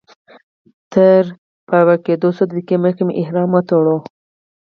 تر الوتنې څو دقیقې مخکې مې احرام وتړلو.